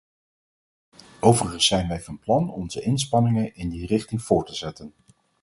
Overigens zijn wij van plan onze inspanningen in die richting voort te zetten.